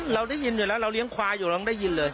เราได้ยินอยู่แล้วเราเลี้ยงควายอยู่เราได้ยินเลย